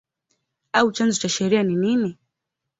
au chanzo cha sheria ni nini?